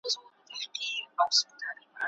زما د خلکو د لاس دی.